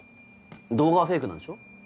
動画はフェイクなんでしょ？